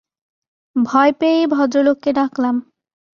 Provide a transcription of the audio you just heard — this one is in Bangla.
ভয় পেয়েই ভদ্র লোককে ডাকলাম।